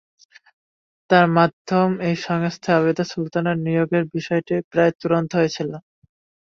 তাঁর মাধ্যমে ওই সংস্থায় আবিদ সুলতানের নিয়োগের বিষয়টিও প্রায় চূড়ান্ত হয়েছিল।